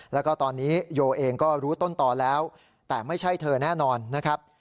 แล้วก็ตอนนี้โยเองก็รู้ต้นต่อแล้วแต่ไม่ใช่เธอแน่นอนนะครับ